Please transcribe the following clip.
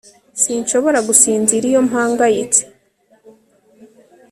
Sinshobora gusinzira iyo mpangayitse